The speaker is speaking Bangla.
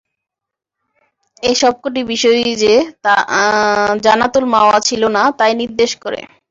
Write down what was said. এ সব কটি বিষয়ই তা যে জানাতুল মাওয়া ছিল না তাই নির্দেশ করে।